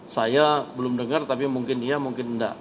saya belum dengar tapi mungkin iya mungkin enggak